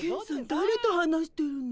だれと話してるの？